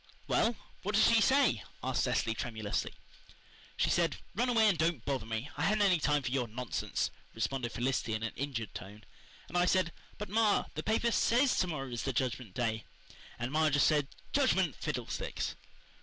"Well, what does she say?" asked Cecily tremulously. "She said, 'Run away and don't bother me. I haven't any time for your nonsense.'" responded Felicity in an injured tone. "And I said, 'But, ma, the paper SAYS to morrow is the Judgment Day,' and ma just said 'Judgment Fiddlesticks!